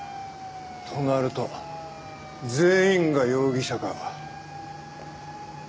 となると全員が容疑者か。